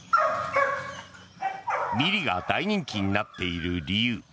ミリが大人気になっている理由